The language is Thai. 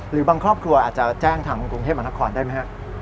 หรือบางครอบครัวอาจจะแจ้งทางกรุงเทพมหานครได้ไหมครับ